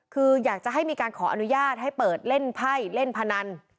คืออยากจะให้มีการขออนุญาตให้เปิดเล่นไพ่เล่นพนัน